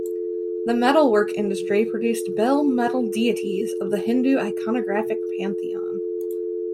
The metal work industry produced bell metal deities of the Hindu iconographic pantheon.